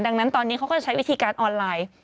ดังนั้นตอนนี้เขาก็จะใช้วิธีการออนไลน์